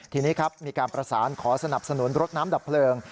ทีนี้ครับมีการประสานขอสนับสนุนรถน้ำดับเพลิง